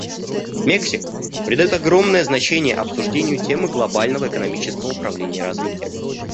Мексика придает огромное значение обсуждению темы глобального экономического управления и развития.